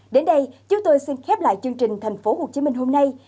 đến đây chúng tôi xin khép lại chương trình thành phố hồ chí minh hôm nay